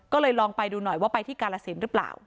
ก็เลยลองไปดูหน่อยว่าไปที่กาลสินหรือเปล่า